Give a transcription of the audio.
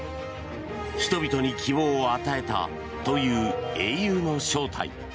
人々に希望を与えたという英雄の正体。